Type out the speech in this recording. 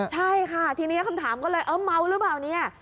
ใช่ค่ะทีนี้คำถามก็เลยเออเมาหรือเปล่าเนี่ย